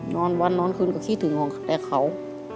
นอนวันนอนคืนก็คิดถึงห่วงแต่เขา